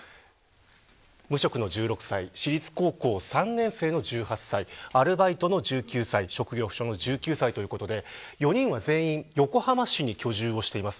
無職の１６歳私立高校３年生の１８歳アルバイトの１９歳職業不詳の１９歳ということで４人は全員横浜市に居住をしています。